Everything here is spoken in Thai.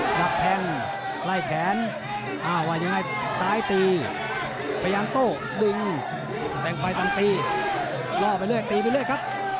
หนักแทงไล่แขนอ้าวว่ายังไงซ้ายตีพยายามโต้ดึงแบ่งไปตามตีล่อไปเรื่อยตีไปเรื่อยครับ